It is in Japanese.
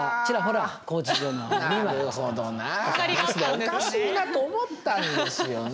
おかしいなと思ったんですよね。